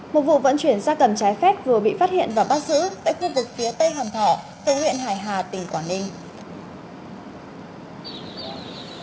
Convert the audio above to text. một vụ vận chuyển xa cầm trái phép vừa bị phát hiện và bắt giữ tại khu vực phía tây hàm thỏ tỉnh hải hà tỉnh quảng ninh